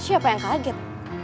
siapa yang kaget